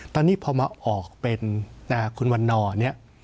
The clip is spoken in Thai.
ตอนนี้พอมาออกเป็นคุณวันนอร์เนี่ย